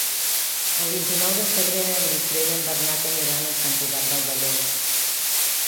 El vint-i-nou de febrer en Guifré i en Bernat aniran a Sant Cugat del Vallès.